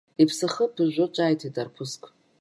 Иԥсахы ԥыжәжәо ҿааиҭит арԥыск.